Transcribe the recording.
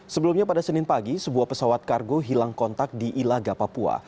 sebelumnya pada senin pagi sebuah pesawat kargo hilang kontak di ilaga papua